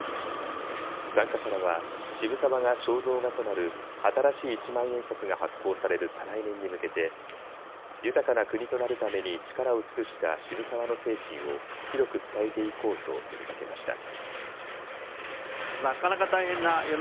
参加者らは渋沢が肖像画となる新しい一万円札が発行される再来年に向けて豊かな国となるために力を尽くした渋沢の精神を広く伝えていこうと呼びかけました。